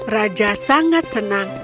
raja sangat senang